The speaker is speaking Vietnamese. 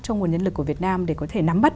cho nguồn nhân lực của việt nam để có thể nắm bắt